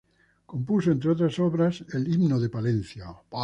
Compuso, entre otras obras, el himno de Palencia.